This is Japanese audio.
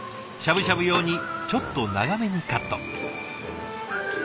しゃぶしゃぶ用にちょっと長めにカット。